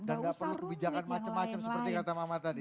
gak usah rumit yang lain lain